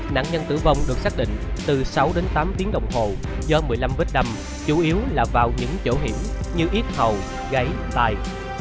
nạn nhân tử vong được xác định từ sáu đến tám tiếng đồng hồ do một mươi năm vết đầm chủ yếu là vào những chỗ hiểm như ít hầu gáy tài